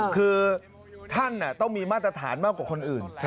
คือท่านต้องมีมาตรฐานมากกว่าคนอื่น